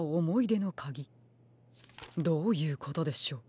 どういうことでしょう？